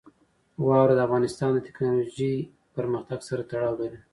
واوره د افغانستان د تکنالوژۍ پرمختګ سره تړاو لري.